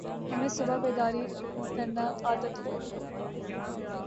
ہمیں صبح بیداری کرنا عادت ہونا